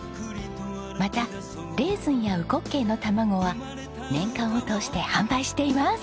またレーズンや烏骨鶏の卵は年間を通して販売しています。